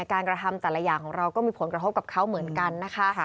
กระทำแต่ละอย่างของเราก็มีผลกระทบกับเขาเหมือนกันนะคะ